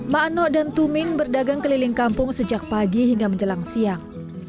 makno dan tumin berdagang keliling kampung sejak pagi hingga menjelang siang